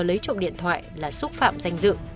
lấy trộm điện thoại là xúc phạm danh dự